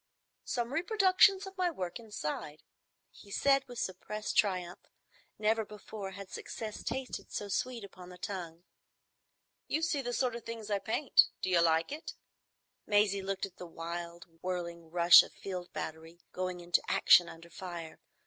"Some reproduction of my work inside," he said, with suppressed triumph. Never before had success tasted so sweet upon the tongue. "You see the sort of things I paint. D'you like it?" Maisie looked at the wild whirling rush of a field battery going into action under fire.